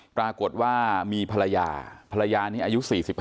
ปรากฏว่ามีภรรยาภรรยานี้อายุ๔๕